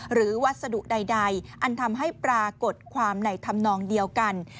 วัสดุใดอันทำให้ปรากฏความในธรรมนองเดียวกัน